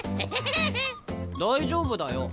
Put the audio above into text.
大丈夫だよ。